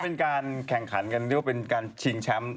เป็นการแข่งขันกันเรียกว่าเป็นการชิงแชมป์